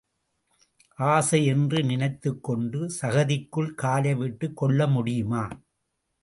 ஆசை என்று நினைத்துக் கொண்டு சகதிக்குள் காலை விட்டுக் கொள்ள முடியுமா?